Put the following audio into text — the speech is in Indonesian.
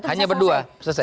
hanya berdua selesai